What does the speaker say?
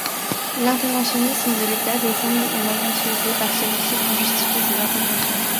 L'interventionnisme de l'État désigne les moyens utilisés par celui-ci pour justifier ses interventions.